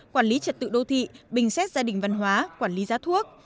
quản lý trật tự đô thị bình xét gia đình văn hóa quản lý giá thuốc